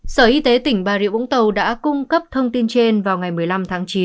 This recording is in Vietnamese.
sở y tế tỉnh bà rịa vũng tàu đã cung cấp thông tin trên vào ngày một mươi năm tháng chín